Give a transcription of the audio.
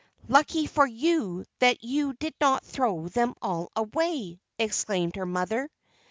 "Lucky for you that you did not throw them all away!" exclaimed her mother.